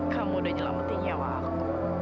kamu udah nyelamati nyawa aku